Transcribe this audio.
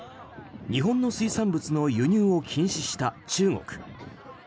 日本の水産物の輸入を禁止した中国。